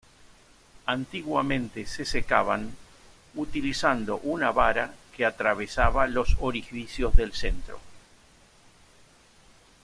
Antiguamente se secaban utilizando una vara que atravesaba los orificios del centro.